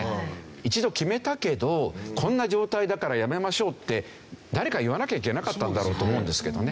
一度決めたけどこんな状態だからやめましょうって誰か言わなきゃいけなかったんだろうと思うんですけどね。